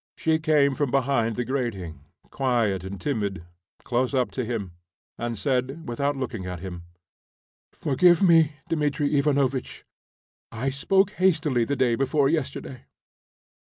She came from behind the grating, quiet and timid, close up to him, and said, without looking at him: "Forgive me, Dmitri Ivanovitch, I spoke hastily the day before yesterday."